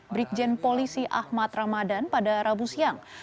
brigjen polisi ahmad ramadan pada rabu siang